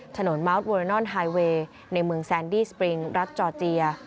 ถนนมัวต์วอเลนอลไฮเวย์ในเมืองแซนดี้สปริงรัฐจอเจีย